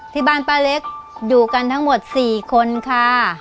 ที่บ้านป้าเล็กอยู่กันทั้งหมด๔คนค่ะ